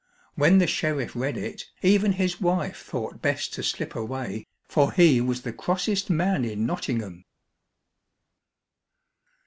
When the sheriff read it, even his wife thought best to slip away, for he was the crossest man in Nottingham.